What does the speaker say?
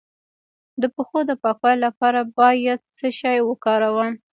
د پښو د پاکوالي لپاره باید څه شی وکاروم؟